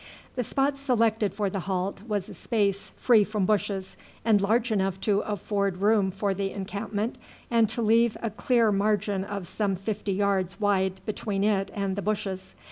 The spot selected for the halt was a space free from bushes, and large enough to afford room for the encampment and to leave a clear margin of some fifty yards wide between it and the bushes.